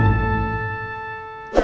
yah tati hitung ma